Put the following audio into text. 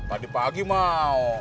tadi pagi mau